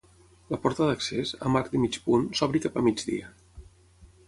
La porta d'accés, amb arc de mig punt, s'obre cap a migdia.